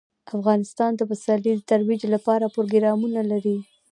افغانستان د پسرلی د ترویج لپاره پروګرامونه لري.